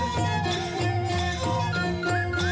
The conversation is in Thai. จริง